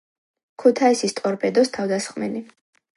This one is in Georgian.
ქუთაისის „ტორპედოს“ თავდამსხმელი.